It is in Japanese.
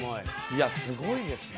いやすごいですね。